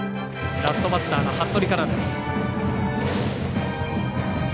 ラストバッターの服部からです。